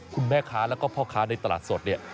คุณแม่ค้าและก็พ่อค้าในตลาดสด